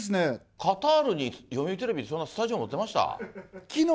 カタールに読売テレビ、そんなスタジオ持ってました？